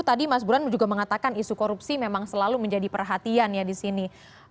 tadi mas buran juga mengatakan isu korupsi memang selalu menjadi perhatian ya di sini